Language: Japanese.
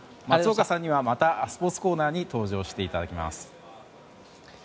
松岡さんにはまたスポーツコーナーに登場してもらいます。